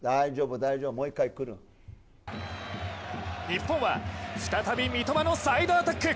日本は再び三笘のサイドアタック！